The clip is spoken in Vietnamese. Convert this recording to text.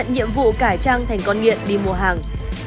nhiệm vụ cải trang thành con nghiện đi mua hàng